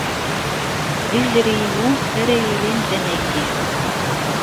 D izri-inu ara iyi-yilin d anagi.